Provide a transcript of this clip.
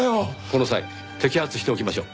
この際摘発しておきましょう。